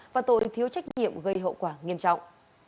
và tội thiếu trách nhiệm gây hậu quả nghiêm trọng